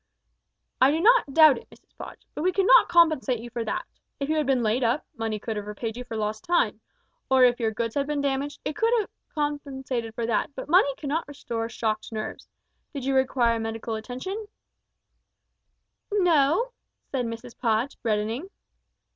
"I do not doubt it Mrs Podge, but we cannot compensate you for that. If you had been laid up, money could have repaid you for lost time, or, if your goods had been damaged, it might have compensated for that but money cannot restore shocked nerves. Did you require medical attendance?" "N no!" said Mrs Podge, reddening.